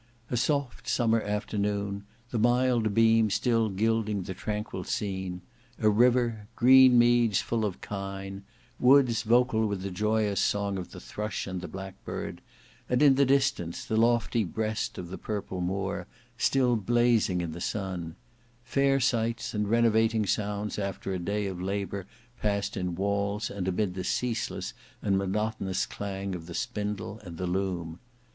A soft summer afternoon; the mild beam still gilding the tranquil scene; a river, green meads full of kine, woods vocal with the joyous song of the thrush and the blackbird; and in the distance, the lofty breast of the purple moor, still blazing in the sun: fair sights and renovating sounds after a day of labour passed in walls and amid the ceaseless and monotonous clang of the spindle and the loom.